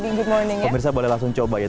di good morning pemirsa boleh langsung coba ya